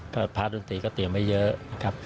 เพราะพลาดดนตรีก็เตรียมมาเยอะ